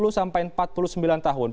empat puluh sampai empat puluh sembilan tahun